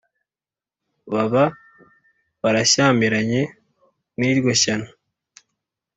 baba barashyamiranye n’iryo shyano